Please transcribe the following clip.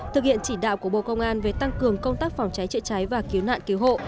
thực hiện chỉ đạo của bộ công an về tăng cường công tác phòng cháy chữa cháy và cứu nạn cứu hộ